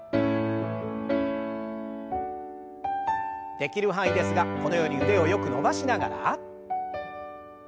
できる範囲ですがこのように腕をよく伸ばしながら。